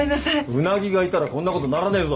うなぎがいたらこんなことにならねえぞ。